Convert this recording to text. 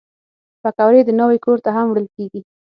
پکورې د ناوې کور ته هم وړل کېږي